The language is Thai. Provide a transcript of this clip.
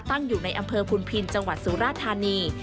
ตั้งอยู่ในอำเภอพุนพินจังหวัดสุราธานี